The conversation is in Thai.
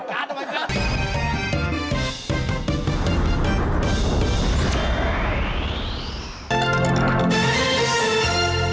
การตามันค่ะ